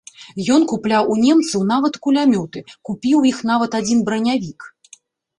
Ён купляў у немцаў нават кулямёты, купіў у іх нават адзін бранявік!